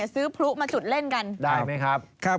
ซื้อพลุมาจุดเล่นกัน